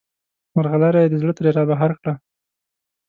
مرغلره یې د زړه ترې رابهر کړه.